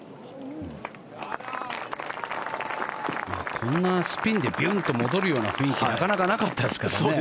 こんなスピンでビュンと戻るような雰囲気なかなかなかったですからね。